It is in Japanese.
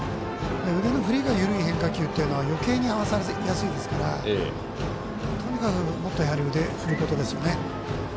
腕の振りが緩い変化球というのはよけいに合わせやすいですからとにかくもっと腕を振ることです。